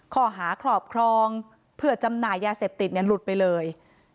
ข้อหาครอบครองเพื่อจำหน่ายยาเสพติดหลุดไปเลย